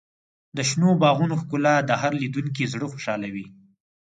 د شنو باغونو ښکلا د هر لیدونکي زړه خوشحالوي.